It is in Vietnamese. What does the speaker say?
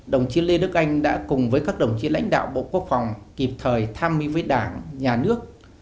đồng chí lê đức anh đã cùng với các đồng chí lãnh đạo bộ quốc phòng kịp thời tham mưu với đảng nhà nước